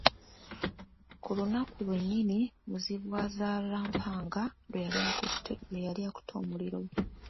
Ku lunaku lwennyini Muzibwazaalampanga lwe yali akutte omuliro